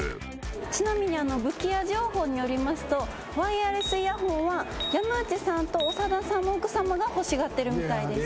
ちなみに武器屋情報によりますとワイヤレスイヤホンは山内さんと長田さんの奥さまが欲しがってるみたいです。